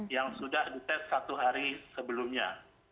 yang sudah dites satu hari sebelumnya